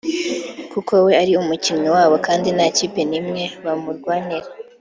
kuko we ari umukinnyi wabo kandi nta kipe nimwe bamurwanira